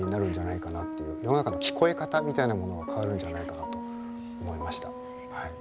世の中の聞こえ方みたいなものが変わるんじゃないかなと思いましたはい。